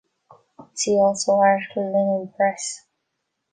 "See also article linen-press".